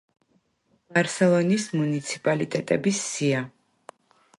ბარსელონის მუნიციპალიტეტების სია.